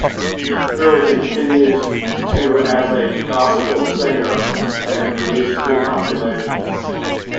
Berry continues to as a gospel singer, and has released three compilations.